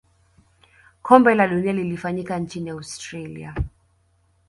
kombe la dunia lilifanyika nchini australia